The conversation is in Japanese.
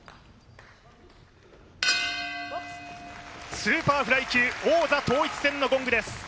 スーパーフライ級王座統一戦のゴングです。